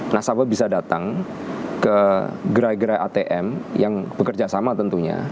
nasabah bisa datang ke gerai gerai atm yang bekerja sama tentunya